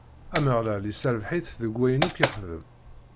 Ameɣlal isserbeḥ-it deg wayen akk ixeddem.